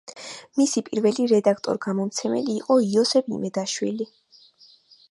მისი პირველი რედაქტორ-გამომცემელი იყო იოსებ იმედაშვილი.